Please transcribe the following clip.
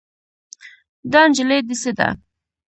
دا نجلۍ دې څه ده؟